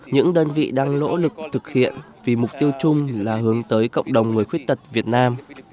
những đơn vị đang nỗ lực thực hiện vì mục tiêu chung là hướng tới cộng đồng người khuyết tật việt nam